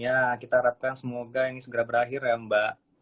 ya kita harapkan semoga ini segera berakhir ya mbak